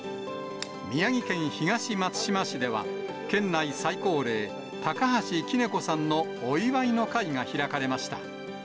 宮城県東松島市では、県内最高齢、高橋きね古さんのお祝いの会が開かれました。